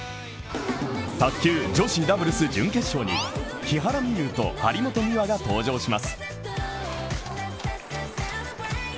卓球女子ダブルス準決勝に木原美悠と張本美和が登場します。